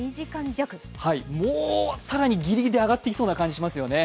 もう、更にギリギリ上がっていきそうな気がしますよね。